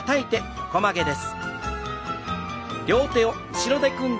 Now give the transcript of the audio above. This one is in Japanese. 横曲げです。